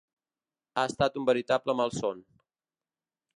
Ha estat un veritable malson.